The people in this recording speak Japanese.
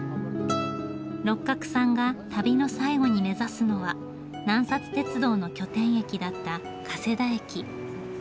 六角さんが旅の最後に目指すのは南鉄道の拠点駅だった加世田駅。